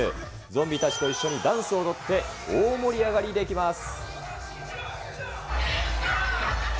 ゾンビたちと一緒にダンスを踊って、大盛り上がりできます。